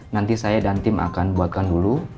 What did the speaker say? nanti saya dan tim akan buatkan dulu